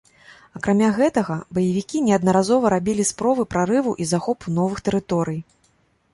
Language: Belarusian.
Акрамя гэтага, баевікі неаднаразова рабілі спробы прарыву і захопу новых тэрыторый.